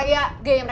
gay yang mereka keren